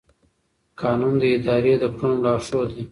قانون د ادارې د کړنو لارښود دی.